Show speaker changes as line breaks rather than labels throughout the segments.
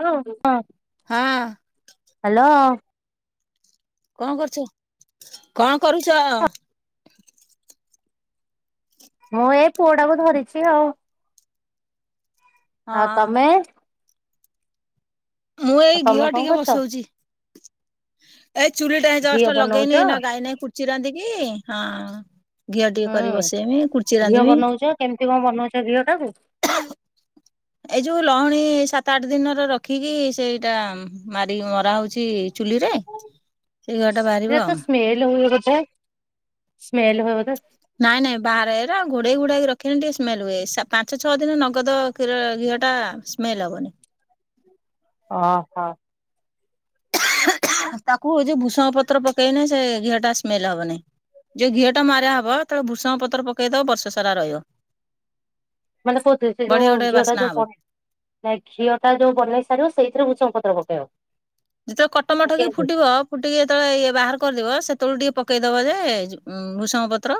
ହଁ ହଁ [unintelligible]
ହଁ।
ହ୍ୟାଲୋ।
କଣ କରୁଛ କଣ କରୁଛ?
ମୁଁ ଏଇ ପୁଅ ଟାକୁ ଧରିଛି ଆଉ
ହଁ।
ଆଉ ତମେ?
ମୁଁ
ଆଉ
ଏଇ
ତମେ
ଘିଅ
କଣ
ଟିକେ
କରୁଛ
ବସଉଛି। ଏଇ ଚୁଲି ଟା
ଘିଅ
ଜଷ୍ଟ
ବନଉଛ
ଲଗେଇନି ଏଇନା ନା ଗାଈ ନାହିଁ ଖୁର୍ଚି ରାଧନ୍ତି କି ହଁ। ଘିଅ ଟିକେ କରି
ହୁଁ
ବସେଇମି କୁର୍ଚି
ଘିଅ
ରାନ୍ଧିବି।
ବନଉଛ କେମିତି କଣ ବନଉଛ ଘିଅ ଟାକୁ
ଏଇ ଯୋଉ ଲହଣୀ ସାତ ଆଠ ଦିନର ରଖିକି ସେଇଟା ମାରି ମରା ହଉଛି ଚୁଲିରେ। [inaudible] ବାହାରିବ
ଏ
ଆଉ।
ତ ସ୍ମେଲ ହୁଏ ବୋଧେ ସ୍ମେଲ ହୁଏ।
ନାଇଁ ନାଇଁ ବାହାରେ ଏରା ଘୋଡେଇ ଘୋଡାକି ରଖେନି ଟିକେ ସ୍ମେଲ ହୁଏ ପାଞ୍ଚ ଛଅ ଦିନ ନଗଦ କ୍ଷୀର ଘିଅଟା ସ୍ମେଲ୍ ହେବନି।
ଓହୋ।
ତାକୁ ଯୋଉ ଭୂଷଙ୍ଗ ପତ୍ର ପକେଇଲେ ସେ ଘିଅ ଟା ସ୍ମେଲ ହବନିଁ। ଯୋଉ ଘିଅ ଟା ମାରା ହବତାକୁ ଭୁସଙ୍ଗ ପତ୍ର ପକେଇଦବ ବର୍ଷ ସାରା ରହିବ।
ମାନେ କଥି ସେ
ବଢିଆ
ଯୋଉ
ଗୋଟେ
ଘିଅ ଟା
ବାସ୍ନା
ଯୋଉ
ହବ।
କଣ ନାଇଁ ଘିଅ ଟା ଯୋଉ ବନେଇ ସାରିବ ସେଇଥିରେ ଉଷଙ୍ଗ ପତ୍ର ପକେଇବ।
ଯେତବେଳେ କଟ
ନା
ମଠ କି
କେମିତି
ଫୁଟିବ ଫୁ ଟିକେ ଯେତେବେଳେ ଇଏ ବାହାର କରିଦବ ସେତବେଳେ ଟିକେ ପକେଇଦବ ଯେ ଭୂଷଙ୍ଗ ପତ୍ର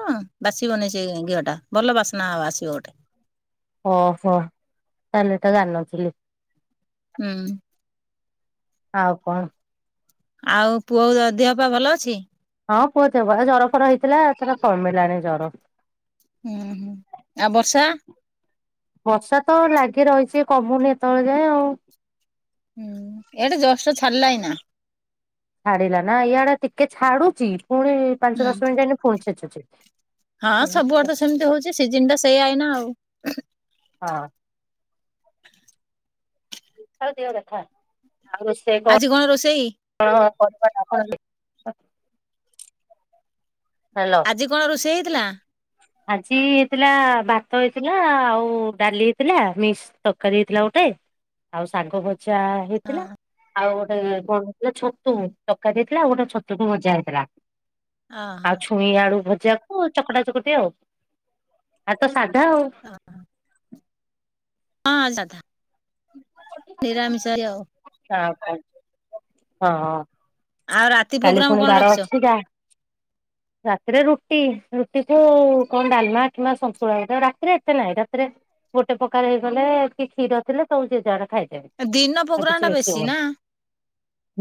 ବାସିବନି ସେ ଘିଅଟା ଭଲ ବାସ୍ନା ଆଉ ଆସିବ ଗୋଟେ।
ଓହୋ ତାହେଲେ ଏଟା ଜାଣିନଥିଲି।
ହୁଁ।
ଆଉ କଣ।
ଆଉ ପୁଅ ଦିହ ପା ଭଲ ଅଛି?
ହଁ ପୁଅ ଥବ ଜର ଫର ହେଇଥିଲା ଏଥର କମିଲାନି ଜର।
ହୁଁ ହୁଁ ଆଉ ବର୍ଷା।
ବର୍ଷା ତ ଲାଗି ରହିଛି କମୁନି ଏତେବେଳେ ଯାଏଁ ଆଉ।
ହୁଁ ଏଟା ଜଷ୍ଟ ଛାଡିଲାଏଇନା।
ଛାଡିଲା ନା ଇଆଡା ଟିକେ ଛାଡୁଚି ପୁଣି
ହୁଁ
ପାଞ୍ଚ ଦଶ ମିନିଟ ଯାଇନି ପୁଣି ଛେଚୁଛି।
ହଁ ସବୁଆଡ ତ ସେମିତି ହଉଛି ସିଜିନ ଟା ସେଇ ଆଇନା ଆଉ
ହଁ ହଉ ଦେବ ରଥ ଆଉ ର ସେ
ଆଜି କଣ ରୋଷେଇ?
ହଁ ହଁ [unintelligible] ହ୍ୟାଲୋ
ଆଜି କଣ ରୋଷେଇ ହେଇଥିଲା?
ଆଜି ହେଇଥିଲା ଭାତ ହେଇଥିଲା ଆଉ ଡାଲି ହେଇଥିଲା ମିିକ୍ସ ତରକାରୀ ହେଇଥିଲା ଗୋଟେ ଆଉ ସାଗ ଭଜା ହେଇଥିଲା
ହଁ
ଆଉ ଗୋଟେ କଣ ହେଇଥିଲା ଛତୁ ତକାରି ଦେଇଥିଲା ଆଉ ଗୋଟେ ଛତୁକୁ ଭଜା ହେଇଥିଲା।
ହଁ
ଆଉ
ହ
ଛୁଇଁ ଆଳୁ ଭଜାକୁ ଚକଟା ଚକଟି ଆଉ ଆଜି ତ ସାଧା ଆଉ
ହଁ ହଁ ସାଧା ନିରାମୀଷ ଆଉ
ତାପରେ ହଁ ହଁ
ଆଉ ରାତି
କାଲି
ପ୍ରୋଗ୍ରାମ
ପୁଣି
କଣ
ବାର
ରଖିଛ?
ଅଛି ଯା ରାତିରେ ରୁଟି ରୁଟି କୁ କଣ ଡାଲମା କିମ୍ବା ଶନ୍ତୁଳାଉ ରାତିରେ ଏତେ ନାହିଁ ରାତିରେ ଗୋଟେ ପ୍ରକାର ହେଇଗଲେ କି କ୍ଷୀର ଥିଲେ ସବୁ ଜେ ଯାହାର ଖାଇ ଦେବେ
ଦିନ
ଆଉ
ପ୍ରୋଗ୍ରାମ ଟା
କିଛି
ବେଶୀ
ହୁଏନି
ନା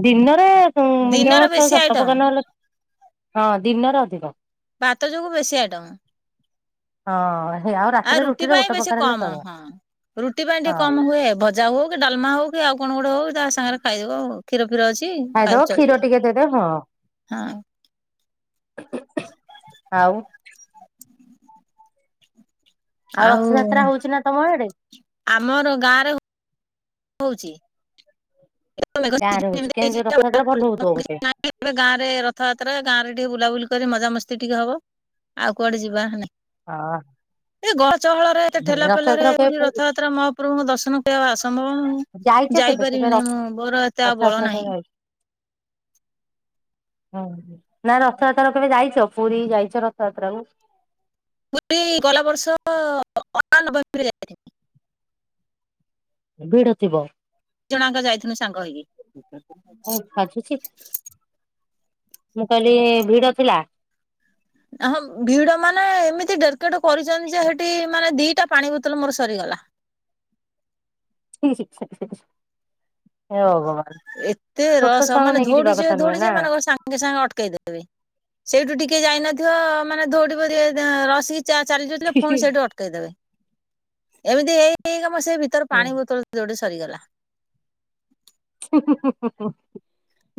ଦିନରେ
ଦିନରେ
ମିନିମମ ଛଅ
ବେଶୀ
ସାତ
ଆଇଟମ
ପ୍ରକାର ନ ହେଲେ ହଁ ଦିନ ରେ ଅଧିକ
ଭାତ ଯୋଗୁ ବେଶି ଆଇଟମ୍
ହଁ ଆଉ
ଆ
ରାତିରେ
ରୁଟି
ରୁଟିରେ
ପାଇଁ
ଗୋଟେ
ବେଶୀ
ପ୍ରକାର ହେଲେ
କମ
ଚଳିବ
ହଁ ରୁଟି ପାଇଁ ଟିକେ
ହଁ
କମ ହୁଏ ଭଜା ହଉ କି ଡାଲମା ହଉ କି ଆଉ କଣ ଗୋଟେ ହଉ ତା ସାଙ୍ଗରେ ଖାଇଦବ ଉ କ୍ଷୀର ଫିର ଅଛି
ଖାଇଦବ
ଖାଇବ
କ୍ଷୀର ଟିକେ ଦେଦେ ହଁ
ହଁ
ଆଉ ଆଉ ରଥଯାତ୍ରା ହଉଛି ନା ତମ ଆଡେ
ଆମର ଗାଁ ରେ ହଉଛି [unintelligible]
ଗାଁରେ ହଉଛି କେମିତି ରଥଯାତ୍ରା ଭଲ ହଉଥିବ ବୋଧେ।
ଏବେ ଗାଁରେ ରଥଯାତ୍ରା ଗାଁରେ ଟିକେ ବୁଲାବୁଲି କରି ମଜାମସ୍ତି ଟିକେ ହବ ଆଉ କୁଆଡେ ଯିବା ନା
ହଁ
ଏ ଗଳ ଚହଳରେ ଏତେ ଠେଲା ପେଲା ରେ
ରଥଯାତ୍ରା କେବେ
ପୁରୀ ରଥଯାତ୍ରା ମହାପ୍ରଭୁଙ୍କ ଦର୍ଶନ କରିବା ଅସମ୍ଭବ ନୁହେଁ।
ଯାଇଛ କେବେ କେବେ
ଯାଇପାରିବିନି ମୁଁ ମୋର ଏତେ ଆଉ ବଳ
ରଥଯାତ୍ରା
ନାହିଁ।
କେବେ ଓହ ନା ରଥଯାତ୍ରା କେବେ ଯାଇଛ ପୁରୀ ଯାଇଛ ରଥଯାତ୍ରା କୁ
ମୁଁ ଵି ଗଲା ବର୍ଷ [unintelligible] ନଭେମ୍ବର ଯାଇଥିଲି।
ଭିଡ ଥିବ
ଦି ଜଣଙ୍କ ଯାଇଥିଲୁ ସାଙ୍ଗ ହେଇକି
ମୁଁ ବାଜୁଛି ମୁଁ କହିଲି ଭିଡ ଥିଲା।
ହଁ ଭିଡ ମାନେ ଏମିତି ଡେରକେଟ କରିଛନ୍ତି ଯେ ସେଠି ମାନେ ଦିଟା ପାଣି ବୋତଲ ମୋର ସରିଗଲା
[inaudible] ଭଗବାନ
ଏତେ
ଛୋଟ
ରସ
ଛୁଆଙ୍କୁ
ମାନେ
ନେଇକି ଯିବା
ଧଉଡିଯିବେ
କଥା ନୁହେଁ
ଧଉଡିଯିବେ
ନା।
ମାନଙ୍କ ସା ଙ୍ଗେ ସାଙ୍ଗେ ଅଟକେଇଦବେ ସେଇଠୁ ଟିକେ ଯାଇନଥିବ ମାନେ ଧଉଡ଼ି ବେ ରସିକି ଚାଲି ଯାଉଥିଲେ ପୁଣି ସେଇଠି ଅଟକେଇ ଦେବେ ଏମିତି ହେଇ ହେଇକା ମୋ ସେଇ ଭିତରେ ପାଣି ବୋତଲ ଦୋଟେ ସରିଗଲା
[inaudible]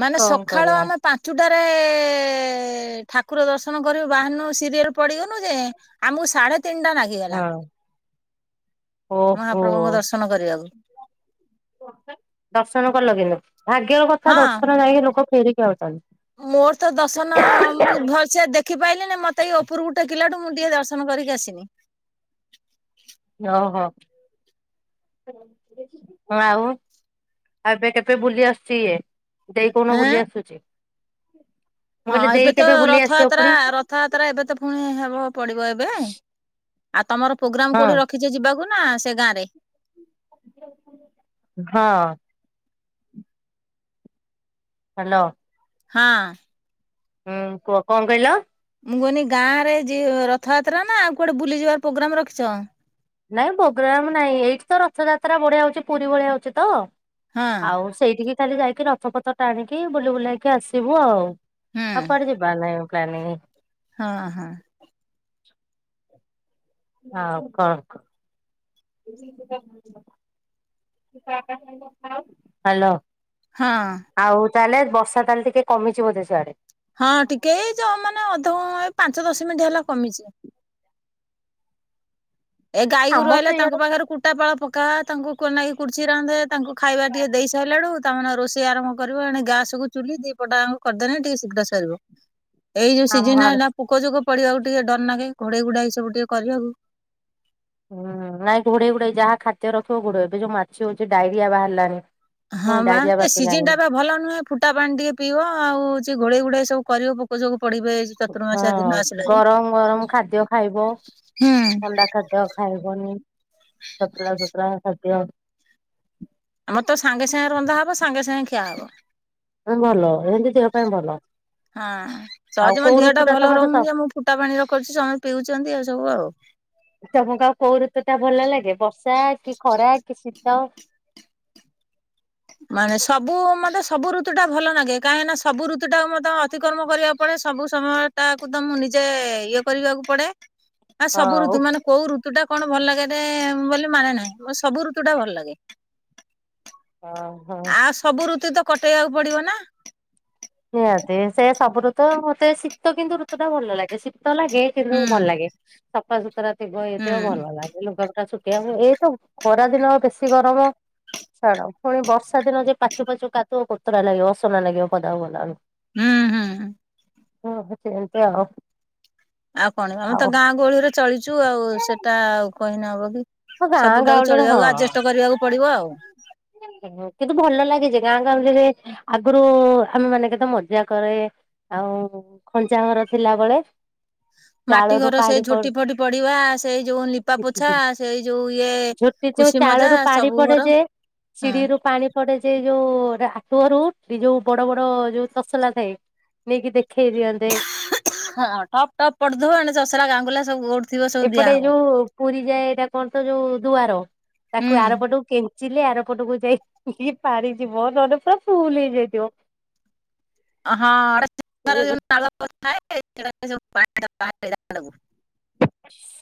ମାନେ
କଣ
ସକାଳ
କରିବା
ଆମେ ପାଞ୍ଚୁଟାରେ ଠାକୁର ଦର୍ଶନ କରିବୁ ବାହାନୁ ସିରିଏଲ ପଡ଼ିବନୁ ଯେ ଆମକୁ ସାଢେତିନିଟା ନାଗେ।
ହଁ ଓହୋ।
ମହାପ୍ରଭୁଙ୍କ ଦର୍ଶନ କରିବାକୁ
ଦର୍ଶନ କଲ ଲଗେଇବ। ଭାଗ୍ୟର କଥା
ହଁ
ଦର୍ଶନ ଯାଇକି ଲୋକ ଫେରିକି ଆଉଚନ୍ତି।
ମୋର ତ ଦଶନ ମୁଁ ଭଲସେ ଦେଖି ପାଇଲିି ମତେ ଏଇ ଉପରକୁ ଟେକିଲାଠୁ ମୁଁ ଟିକେ ଦର୍ଶନ କରିକି ଆସିନି।
ଓହୋ। ଆଉ ଆ ଏବେ କେବେ ବୁଲି ଆସୁଛି ଇଏ। ଦେଇ କଣ
ଏଁ
ବୁଲି ଆସୁଛି। ମୁଁ
ହଁ
କହିଲି ଦେଇ
ଏବେ ତ
କେବେ ବୁଲି ଆସିବ
ରଥଯାତ୍ରା
ପୁଣି
ର
ହଁ
ରଥଯାତ୍ରା ଏବେ ତ ପୁଣି ହେବ ପଡିବ ଏବେ ଆଉ ତମର ପ୍ରୋଗ୍ରାମ କୋଉଠି ର କିଛି ଯିବାକୁ ନା ସେ ଗାଁ ରେ
ହଁ। ହ୍ୟାଲୋ।
ହଁ।
ହୁଁ କୁହ କଅଁ କହିଲ?
ମୁଁ କଇନି ଗାଁରେ ରଥଯାତ୍ରା ନା ଆଉ କୁଆଡେ ବୁଲିଯିବାର ପ୍ରୋଗ୍ରାାମ ରଖିଛ?
ନାଇଁ ପୋଗ୍ରାମନାଇଁ ଏଇଠି ତ ରଥଯାତ୍ରା ବଢିଆ ହଉଛି ପୁରୀ ଭଳିଆ ହଉଛି ତ ଆଉ ସେଇଠିକି ଖାଲି ଯାଇକି ରଥପତ୍ର ଟା ଆଣିକି ବୁଲି ବୁଲେଇକି ଆସିବୁ ଆଉ।
ହୁଁ
ଆଉ କୁ ଆଡେ ଯିବାର ନାଇ ପ୍ଲାନିଂ।
ହଁ ହଁ।
ଆଉ କଣ କ? ହ୍ୟାଲୋ।
ହଁ।
ଆଉ ତାହେଲେ ବର୍ଷା ତାହେଲେ ଟିକେ କମିିଛି ବୋଧେ ସିଆଡ଼େ।
ହଁ ଟିକେ ଏଇ ଯ ମାନେ ଅଧ ଏ ପାଞ୍ଚ ଦଶ ମିନିଟ୍ ହେଲା କମିଛି। ଏ ଗାଈ
ଆମର ତ
ଗୋରୁଆଇଲେ ତାଙ୍କ
ଇଆଡେ
ପାଖରେ କୁ କୋଟାପାଳ ପକା ତାଙ୍କୁନାଗିକୁର୍ଚି ରାନ୍ଧେ ତାଙ୍କୁ ଖାଇବା ଟିକେ ଦେଇ ସାରିଲାଳୁ ତାମାନେେ ରୋଷେଇ ଆରମ୍ଭ କରିବ ଏେ ଗାସ କୁ ଚୁଲି ଦି ପଟା ଆମକୁ କରିଦେଲେ ଟିକେ ଶୀଘ୍ର ସରିବ। ଏଇ ଯୋଉ
ଆମ
ସିଜିନ
ଆଡେ
ଆଇଲା ପୋକ ଜୋକ ପଡିବାକୁ ଟିକେ ଡର ନାଗେ ଘୋଡେଇ ଘୋଡାଇ ସବୁ ଟିକେ କରିବାକୁ।
ହୁଁ ନାଇଁ ଘୋଡେଇ ଘୋଡେଇ ଯାହା ଖାଦ୍ୟ ରଖିବ ଘୋଡେଇ ଏବେ ଯୋଉ ମାଛି ହଉଛି ଡାଇରିଆ ବାହାରିଲାଣି।
ହଁ
ପୁଣି
ବା
ଡାଇରିଆ
ଏ ସିଜିନ
ବ୍ୟାପିଲାଣି
ଟା ବା ଭଲ ନୁହେଁ। ଫୁଟା ପାଣି ଟିକେ ପିଇବ ଆଉ ଯଏ ଘୋଡ଼େଇ ଘୋଡ଼େଇ ସବୁ କରିବ ପୋକ ଯକୁ ପଡିବେ।
ହଁ
ଚତୁର୍ମାସିଆ ଦିନ ଆସିଲା ଯେ
ଗରମ ଗରମ ଖାଦ୍ୟ ଖାଇବ
ହୁଁ
ଥଣ୍ଡା ଖା ତ ଖାଇବନି ତତଲା ତତଲା ଖାଦ୍ୟ
ଆମର ତ ସାଙ୍ଗେ ସାଙ୍ଗେ ରନ୍ଧା ହେବ ସାଙ୍ଗେ ସାଙ୍ଗେ ଖିଆ ହେବ।
ଭଲ ଏମିତି ଦେହ ପାଇଁ ଭଲ।
ହଁ
ଆଉ
ସହଜେ ମୋ
କୋଉ
ଦେିହ ଟା
ଋତୁ
ଭଲ
ତମକୁ ସ
ରହୁନି ଆଉ ମୁଁ ଫୁଟା ପାଣି ରଖୁଛି ସମସ୍ତେ ପିଉଛନ୍ତି ଏଇ ସବୁ ଆଉ।
ତମକୁ ଆଉ କୋଉ ଋତୁ ଟା ଭଲ ଲାଗେ ବର୍ଷା କି ଖରା କି ଶୀତ?
ମାନେ ସବୁ ମତେ ସବୁ ଋତୁ ଟା ଭଲ ଲାଗେ କାହିଁକିନା ସବୁଋତୁ ଟାକୁ ମତେ ଅତିକକ୍ରମ କରିବାକୁ ପଡେ ସବୁ ସମୟ ଟାକୁ ତ ମୁଁ ନିଜେ ଇଏ କରିବାକୁ ପଡେ? ଆ
ହଁ
ସବୁ ଋତୁ ମାନେ କୋଉ ଋତୁ ଟା କଣ ଭଲ ଲାଗେ ବୋଲି ମାନେ ନାହିଁ ସବୁ ଋତୁ ଟା ଭଲ ଲାଗେ।
ହ ହଁ।
ଆଉ ସବୁ ଋତୁ ତ କଟେଇବାକୁ ପଡିବ ନା।
ନିହାତି ସେ ସବୁ ଋତୁ ମତେ ଶୀତ କିନ୍ତୁ ଋତୁ ଟା ଭଲ ଲାଗେ ଶୀ ତ ଲାଗେ ଚିନ୍ଧୁ
ହୁଁ
ଭଲ ଲାଗେ ସଫାସୁତୁରା ଥିବ ଇଏ
ହୁଁ
ଥିବ ଭଲ ଲାଗେ। ଲୁଗାପଟା ଶୁଖେଇଆ ହ ଏଇତ ଖରା ଦିନ ଆଉ ବେଶୀ ଗରମ। ଛାଡ ପୁଣି ବର୍ଷା ଦିନ ଯେ ପାଚୁ ପାଚୁ କାଦୁଅ କୋତରା ଲାଗିବ ଅସନା ଲାଗିବ ପଦାକୁ ଗଲାବେଳକୁ।
ହୁଁ ହୁଁ।
ହଁ ସେନ୍ତି ଆଉ।
ଆଉ କଣ ଆମେ ତ
ଆଉ
ଗାଁ ଗହଳିରେ ଚଳିଛୁ ଆଉ ସେଇଟା ଆଉ କହିନେ ହବ କି।
ହଁ ଗାଁ
ସବୁଟାକୁ
ଗାଉଁଲିରେ
ଚଳିବାକୁ ଆଜେଷ୍ଟେ କରିବାକୁ ପଡିବ ଆଉ।
ଓ କିନ୍ତୁ ଭଲ ଲାଗେ ଯେ ଗାଁ ଗାଉଁଳିରେ। ଆଗରୁ ଆମେ ମାନେ କେତେ ମଜା କରେ ଆଉ ଖଞ୍ଚା ଘର ଥିଲାବେଳେ।
ମାଟି
ଚାଳରୁ
ଘର ସେ
ପାଣି ପଡେ
ଝୋଟି ଫଟି ପଡିବା, ସେଇ ଯୋଉ ନିପା ପୋଛା ସେଇ ଯୋଉ ଇଏ
ଝୋଟି
ଖୁସି ମଜା ସବୁ ମୋର।
ସିଡିରୁୁ ପାଣି ପଡେ ଯେ ଯୋଉ ଆଟୁଆରୁ ସେଟି ଯୋଉ ବଡ ବଡ ଯୋଉ ତସଲା ଥାଏ। ନେଇକି ଦେଖେଇ ଦିଅନ୍ତେ।
ହଁ ଠପ୍ ଟପ୍ ପଡୁଥିବ ଏନେ ଚସରା ଗାଙ୍ଗୁଲା ସବୁ ପଡ୍
ଏପଟେ ଏ ଯୋଉ ପୁରୀ ଯାଏ ଏଇଟା କଣ ତ ଯୋଉ ଦୁଆର ତାକୁ ଆର
ହଁ
ପଟୁ କେଞ୍ଚିଲେ ଆରପଟକୁ ଯାଇକି ପାଣିଯିବ ନହେଲେ ପୁରା ଫୁଲ୍ ହେଇଯାଇଥିବ।
ହଁ [unintelligible]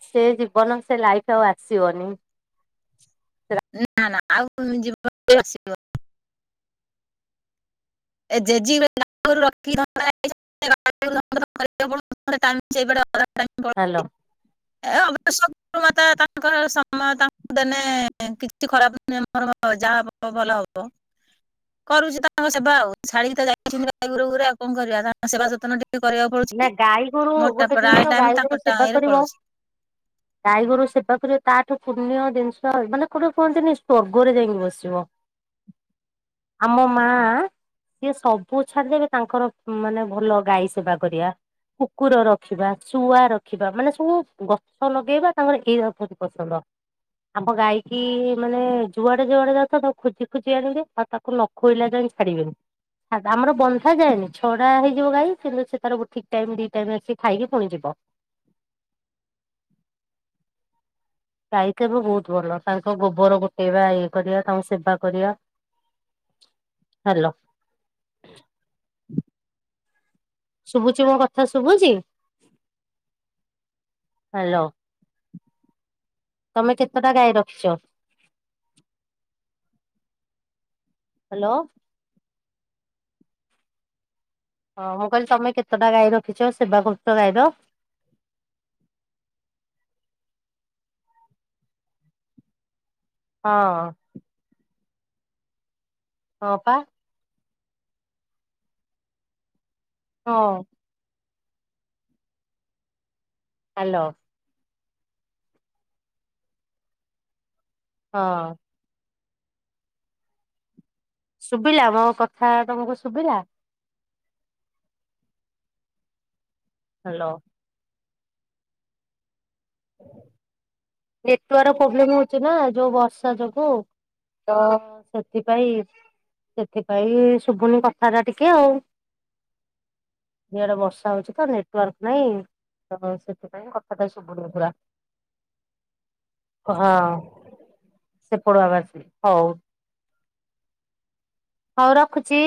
ସେ ଜୀବନ ସେ ଲାଇଫ୍ ଆଉ ଆସିବନି।
ନା ନା ଆଉ କୋଉ ଜୀବନରେ ଆସିବନି। ଏ ଜେଜି [inaudible] [inaudible]
ହାଲୋ।
[inaudible] କିଛି ଖରାପ୍ ନୁହେଁ ମୋର ଯାହା ହେବ ଭଲ ହବ। କରୁଛି ତାଙ୍କ ସେବା ଆଉ ଛାଡିକି [inaudible] କରିବାକୁ
ନା
ପଡୁଛି।
ଗାଈ ଗୋରୁ
ମୋର ତ
ଗୋଟେ ଜିନିଷ
ପ୍ରାୟ ଟାଇମ୍
ଗାଈ
ତାଙ୍କ ଟାଏରେ ପଳଉଛି।
ଗାଈଗୋରୁ ସେବା କରିବା ତାଠୁ ପୁଣ୍ୟ ଜିନିଷ ମାନେ ଗୋଟେ କୁହନ୍ତିନି ସ୍ଵର୍ଗରେ ଯାଇକି ବସିବ। ଆମ ମା- ଆଁ- ଆଁ ସିଏ ସବୁ ଛାଡିଦେବେ ତାଙ୍କର ମାନେ ଭଲ ଗାଈ ସେବା କରିବା। କୁକୁର ରଖିବା, ଶୁଆ ରଖିବା ମାନେ ସବୁ ଗଛ ଲଗେଇବା ତାଙ୍କର ଏଇରା ସବୁ ପସନ୍ଦ। ଆମ ଗାଈକିି ମାନେ ଯୁଆଡେ ଯୁଆଡେ ଯାଉଥିବ ତାକୁ ଖୋଜି ଖୋଜି ଆଣିବେ ଆଉ ତା ତାକୁ ନ ଖୁଏଇଲା ଯାଏଁ ଛାଡିବେନି। ଆ- ଆମର ବନ୍ଧା ଯାଏନି ଛଡା ହେଇଯିବ ଗାଈ କିନ୍ତୁ ତାର ଠିକ୍ ଟାଇମ୍ ଦିଟାରେ ଆସିକି ଖାଇକି ପୁଣି ଯିବ। ଗାଇ କାମ ବହୁତ୍ ଭଲ ତାଙ୍କ ଗୋବର ଗୋଟେଇବା ଇଏ କରିବା ତାଙ୍କୁ ସେବା କରିବା। ହାଲୋ। ଶୁଭୁଛି ମୋ କଥା ଶୁଭୁଛି? ହାଲୋ ତମେ କେତେଟା ଗାଈ ରଖିଛ? ହାଲୋ। ହଁ ମୁଁ କହିଲି ତମେ କେତେଟା ଗାଈ ରଖିଛ, ସେବା କରୁଛ ଗାଈର। ହଁ -ଅଁ। ହଁ ପା। ହଁ-ଅଁ। ହାଲୋ। ହଁ ଶୁବିଲା ମୋ କଥା ତମୁକୁ ଶୁଭିଲା ହାଲୋ [unintelligible] ନେଟୱାର୍ ପ୍ରୋବ୍ଲେମ୍ ହଉଛି ନା ଯୋଉ ବର୍ଷା ଯୋଗୁ। ତ ସେଥିପାଇଁ ସେଥିପାଇଁ ଶୁଭୁନି କଥାଟା ଟିକେ ଆଉ। ଇଆଡେ ବର୍ଷା ହଉଛି ତ ନେଟୱାର୍କ ନାଇଁ ତ ସେଥିପାଇଁ କଥାଟା ଶୁଭୁନି ପୁରା। ହଉ। ହଉ ରଖୁଛି।